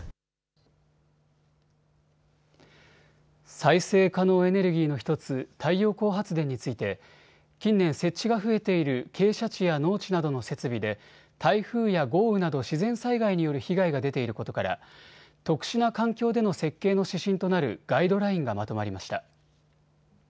再生可能エネルギーの１つ太陽光発電について近年設置が増えている傾斜地や農地などの設備で台風や豪雨など自然災害による被害が出ていることから特殊な設計での設計の指針となるガイドラインがまとまりました。